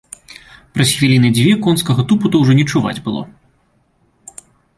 Праз хвіліны дзве конскага тупату ўжо не чуваць было.